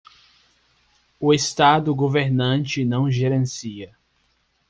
O estado governante não gerencia.